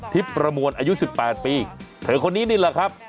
ประมวลอายุ๑๘ปีเธอคนนี้นี่แหละครับ